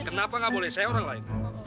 kenapa nggak boleh saya orang lain